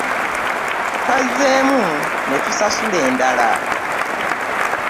Twazzeemu ne tusasula endala.